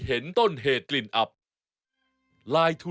ไหนอ่ะอะไรได้อะไรอีกอ่ะ